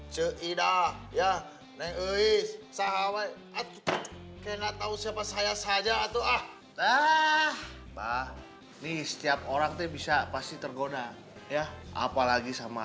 tidak tahu siapa saya saja atau ah ah ah nih setiap orang bisa pasti tergoda ya apalagi sama